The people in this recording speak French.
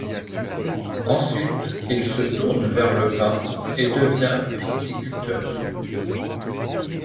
Ensuite, il se tourne vers le vin et devient viticulteur.